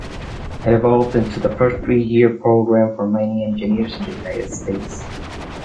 It evolved into the first three-year program for mining engineers in the United States.